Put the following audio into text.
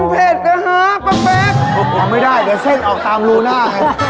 มันเผ็ดเหรอฮะปะเป็ดอ้าวไม่ได้เดี๋ยวเส้นออกตามรูหน้าให้